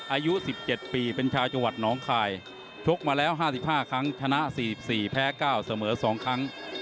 อายุสิบเจ็ดปีเป็นชาวจังหวัดน้องคลายชกมาแล้วห้าสิบห้าครั้งชนะสี่สิบสี่แพ้เก้าเสมอสองครั้ง